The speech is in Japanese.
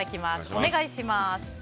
お願いします。